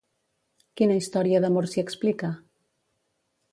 Quina història d'amor s'hi explica?